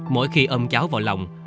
mỗi khi ôm cháu vào lòng